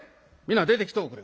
皆出てきとおくれ。